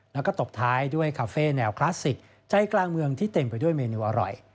แล้วก็ตบท้ายด้วยคาเฟ่แนวคลาสสิกใจกลางเมืองที่เต็มไปด้วยเมนูอร่อย